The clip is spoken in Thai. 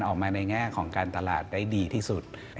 ออกมาในแง่ของการตลาดได้ดีที่สุด